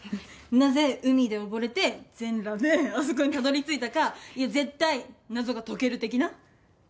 なぜ海で溺れて全裸であそこにたどり着いたか絶対謎が解ける的な。